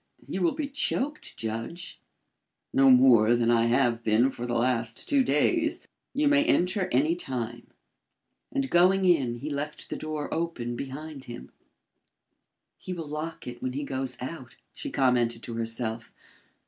You will be choked, Judge." "No more than I have been for the last two days. You may enter any time." And going in, he left the door open behind him. "He will lock it when he goes out," she commented to herself.